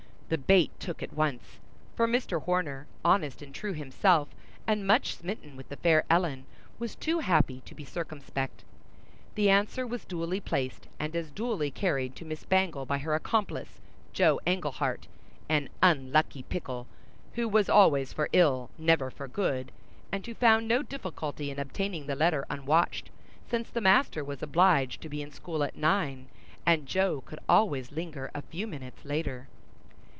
The bait took at once, for Mr. Horner, honest and true himself, and much smitten with the fair Ellen, was too happy to be circumspect. The answer was duly placed, and as duly carried to Miss Bangle by her accomplice, Joe Englehart, an unlucky pickle who "was always for ill, never for good," and who found no difficulty in obtaining the letter unwatched, since the master was obliged to be in school at nine, and Joe could always linger a few minutes later.